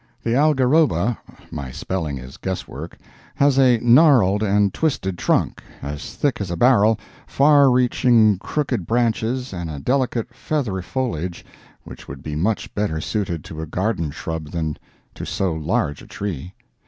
The algeraba (my spelling is guess work) has a gnarled and twisted trunk, as thick as a barrel, far reaching crooked branches and a delicate, feathery foliage which would be much better suited to a garden shrub than to so large a tree.